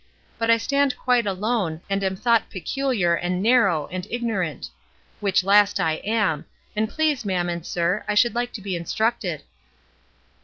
But I stand quite alone, and am thought 'peculiar' and 'narrow' and 'ignorant.' Which last I am; and please ma'am, and sir, I should like to be instructed."